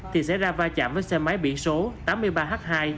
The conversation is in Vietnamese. thì sẽ ra va chạm với xe máy biển số tám mươi ba h hai tám nghìn hai trăm bảy mươi hai